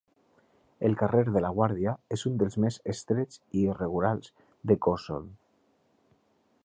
El carrer de la Guàrdia és un dels més estrets i irregulars de Gósol.